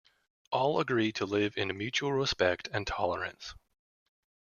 All agree to live in mutual respect and tolerance.